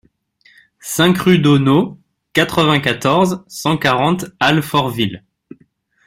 cinq rue Daunot, quatre-vingt-quatorze, cent quarante, Alfortville